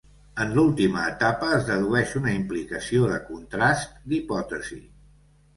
En l'última etapa, es dedueix una implicació de contrast d'hipòtesi.